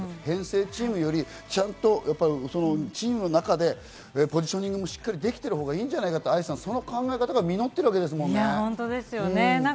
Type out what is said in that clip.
編成チームよりチームの中でポジショニングもしっかりできてるほうがいいんじゃないかと、その考えが実ってるわけですよね。